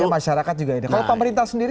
masyarakat juga ini kalau pemerintah sendiri